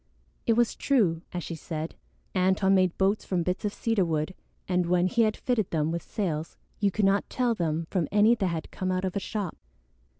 It was true, as she said. Antone made boats from bits of cedar wood, and when he had fitted them with sails you could not tell them from any that had come out of a shop.